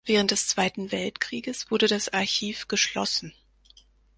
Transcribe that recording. Während des Zweiten Weltkrieges wurde das Archiv geschlossen.